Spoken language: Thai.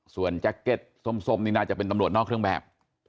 ส่วนแจ็คเก็ตส้มนี่น่าจะเป็นตำรวจนอกเครื่องแบบ